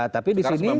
tapi di sini